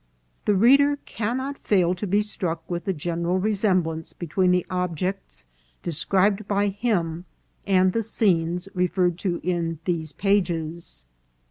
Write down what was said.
The reader cannot fail to be struck with the general resemblance between the objects described by him and the scenes referred to in these pages.